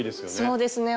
そうですね。